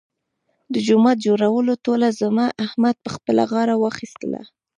د جومات جوړولو ټوله ذمه احمد په خپله غاړه واخیستله.